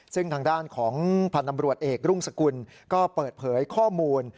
ซึ่งทางด้านของพันธ์ตำรวจเอกรุ่งสกุลก็เปิดเผยข้อมูล